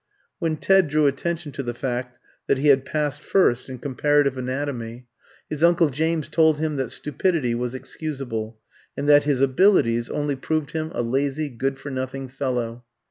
When Ted drew attention to the fact that he had passed first in Comparative Anatomy, his uncle James told him that stupidity was excusable, and that his abilities only proved him a lazy good for nothing fellow.